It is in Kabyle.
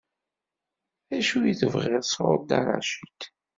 D acu i tebɣiḍ sɣur Dda Racid?